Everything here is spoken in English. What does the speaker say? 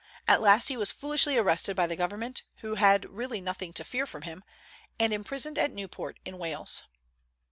At last he was foolishly arrested by the government, who had really nothing to fear from him, and imprisoned at Newport in Wales.